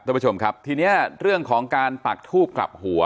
ท่านผู้ชมครับทีนี้เรื่องของการปักทูบกลับหัว